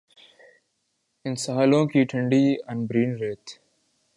ان ساحلوں کی ٹھنڈی عنبرین ریت